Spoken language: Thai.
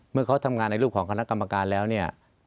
เมื่อเขาทำงานในรูปของคณะกรรมการแล้วเนี่ย